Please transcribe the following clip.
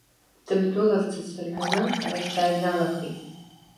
Дындәылымҵыц рҳәоны, арахь дааҩналахит.